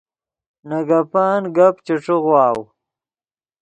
نے گپن، گپ چے ݯیغواؤ